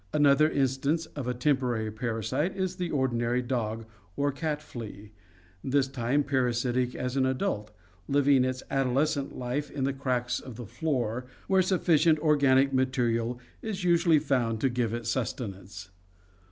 Another instance of a temporary parasite is the ordinary dog or cat flea, this time parasitic as an adult, living its adolescent life in the cracks of the floor where sufficient organic material is usually found to give it suste nance.